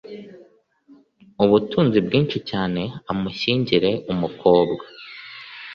ubutunzi bwinshi cyane amushyingire umukobwa